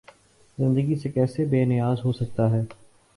زندگی سے کیسے بے نیاز ہو سکتا ہے؟